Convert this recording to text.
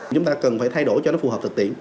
chúng ta cần phải thay đổi cho nó phù hợp thực tiễn